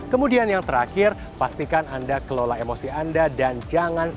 kemudian yang terakhir pastikan anda kelola emosi anda dan jangan lupa untuk berikan makanan makanan yang baik